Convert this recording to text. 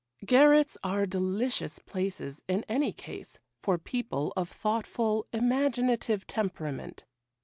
Garrets are delicious places, in any case, for people of thoughtful, imaginative temperament.